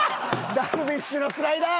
ダルビッシュのスライダー！